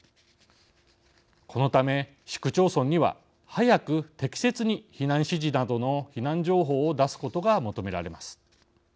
このため、市区町村には早く適切に避難指示などの避難情報を出すことが求められます。